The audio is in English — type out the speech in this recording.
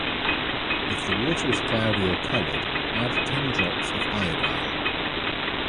If the water is cloudy or colored, add ten drops of iodine.